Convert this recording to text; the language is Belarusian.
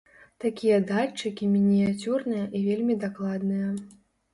Такія датчыкі мініяцюрныя і вельмі дакладныя.